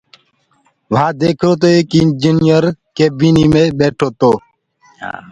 وهآنٚ ديکرو تو ايڪ اِنجنئير ڪيبيني مي ٻيٺو تو۔